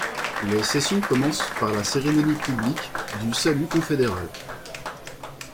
Les sessions commencent par la cérémonie publique du salut confédéral.